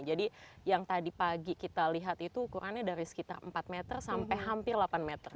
jadi yang tadi pagi kita lihat itu ukurannya dari sekitar empat meter sampai hampir delapan meter